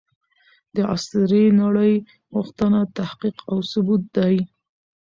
د عصري نړۍ غوښتنه تحقيق او ثبوت دی.